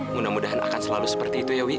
mudah mudahan akan selalu seperti itu ya wi